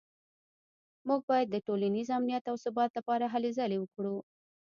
موږ باید د ټولنیز امنیت او ثبات لپاره هلې ځلې وکړو